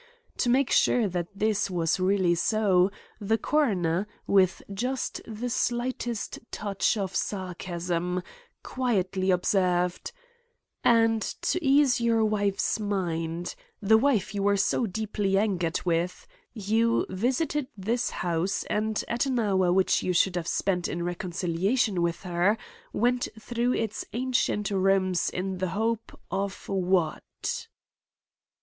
To make sure that this was really so, the coroner, with just the slightest touch of sarcasm, quietly observed: "And to ease your wife's mind—the wife you were so deeply angered with—you visited this house, and, at an hour which you should have spent in reconciliation with her, went through its ancient rooms in the hope—of what?"